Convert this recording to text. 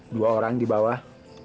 dua orang di bawah